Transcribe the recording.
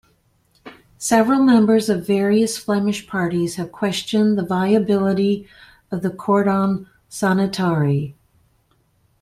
Several members of various Flemish parties have questioned the viability of the "cordon sanitaire".